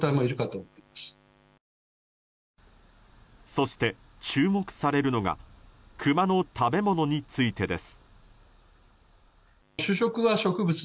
そして注目されるのがクマの食べ物についてです。